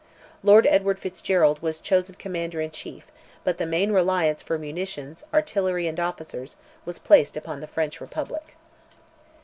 Lord Edward Fitzgerald was chosen Commander in Chief; but the main reliance, for munitions, artillery, and officers, was placed upon the French Republic.